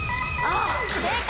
正解。